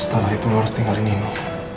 setelah itu lo harus tinggalin ini